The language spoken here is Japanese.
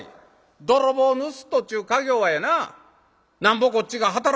泥棒盗人っちゅう稼業はやななんぼこっちが『働きます』